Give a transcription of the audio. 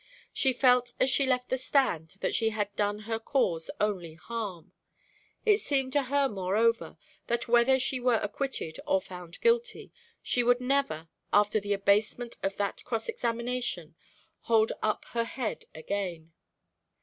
She felt as she left the stand that she had done her cause only harm. It seemed to her moreover, that whether she were acquitted or found guilty, she could never, after the abasement of that cross examination, hold up her head again.